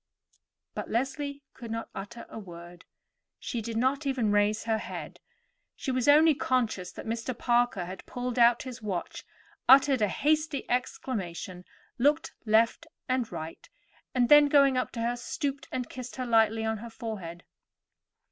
But Leslie could not utter a word, she did not even raise her head; she was only conscious that Mr. Parker had pulled out his watch, uttered a hasty exclamation, looked to right and left, then, going up to her, stooped and kissed her lightly on her forehead.